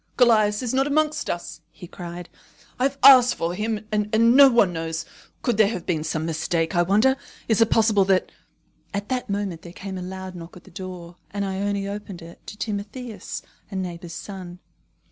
"Callias is not amongst us," he cried. "I have asked for him, and no one knows. Could there have been some mistake, I wonder? Is it possible that " At that moment there came a loud knock at the door, and Ione opened it to Timotheus, a neighbour's son.